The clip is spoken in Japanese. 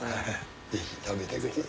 ぜひ食べてください。